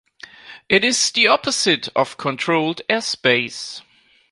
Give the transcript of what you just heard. It is the opposite of controlled airspace.